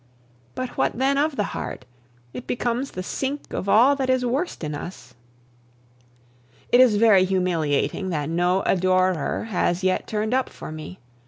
But what then of the heart? It becomes the sink of all that is worst in us. It is very humiliating that no adorer has yet turned up for me.